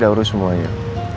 jadi udah urus semuanya